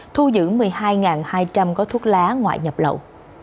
thu giữ một mươi hai hai trăm linh gói thuốc lá ngoại nhập lậu